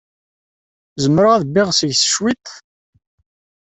Zemreɣ ad bbiɣ seg-s cwiṭ?